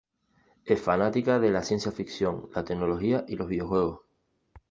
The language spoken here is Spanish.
Es fanática de la ciencia ficción, la tecnología y los videojuegos.